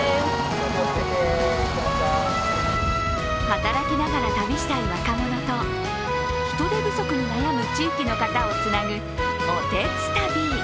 働きながら旅したい若者と人手不足に悩む地域の方をつなぐおてつたび。